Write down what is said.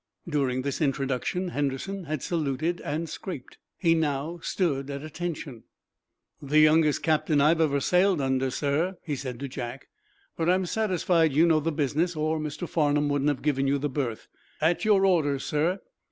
During this introduction Henderson had saluted and scraped. He now stood at attention. "The youngest captain I've ever sailed under, sir," he said to Jack. "But I'm satisfied you know the business, or Mr. Farnum wouldn't have given you the berth. At your orders, sir."